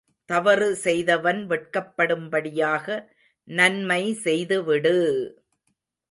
தவறு செய்தவன் வெட்கப்படும்படியாக நன்மை செய்துவிடு!